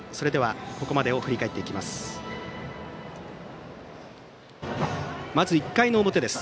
ここまでを振り返っていきます。